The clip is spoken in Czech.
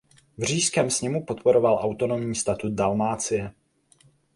V Říšském sněmu podporoval autonomní statut Dalmácie.